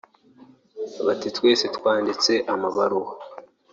bati twe twanditse amabaruwa